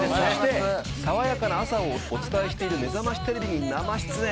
さわやかな朝をお伝えしているめざましテレビに生出演。